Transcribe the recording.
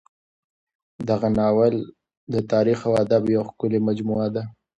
دغه ناول د تاریخ او ادب یوه ښکلې مجموعه ده.